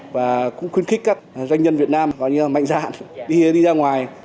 và cũng khuyến khích các doanh nhân việt nam gọi như là mạnh dạn đi ra ngoài